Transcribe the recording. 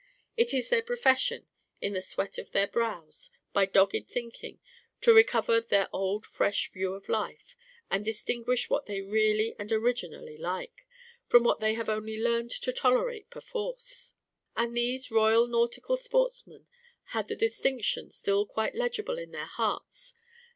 It is their profession, in the sweat of their brows, by dogged thinking, to recover their old fresh view of life, and distinguish what they really and originally like, from what they have only learned to tolerate perforce. And these Royal Nautical Sportsmen had the distinction still quite legible in their hearts.